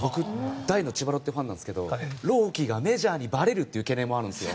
大の千葉ロッテファンなんですけど朗希がメジャーにばれるという懸念もあるんですよ。